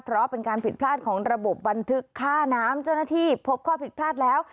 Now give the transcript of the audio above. เพราะเป็นการผิดพลาดของระบบบันทึกค่าน้ำเจ้าหน้าที่พบข้อผิดพลาดแล้ว